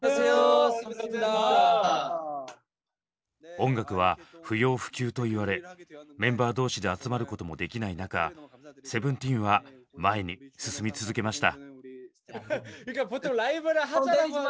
音楽は不要不急と言われメンバー同士で集まることもできない中ＳＥＶＥＮＴＥＥＮは前に進み続けました。